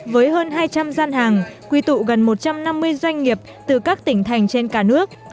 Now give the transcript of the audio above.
với hơn hai trăm linh gian hàng quy tụ gần một trăm năm mươi doanh nghiệp từ các tỉnh thành trên cả nước